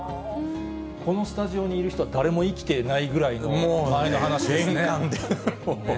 このスタジオにいる人は誰も生きていないぐらいの前の話ですもう厳寒で。